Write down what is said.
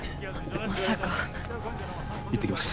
まさか行ってきます